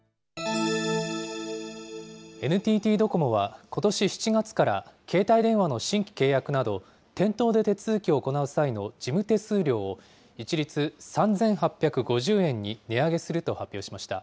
ＮＴＴドコモは、ことし７月から携帯電話の新規契約など、店頭で手続きを行う際の事務手数料を一律３８５０円に値上げすると発表しました。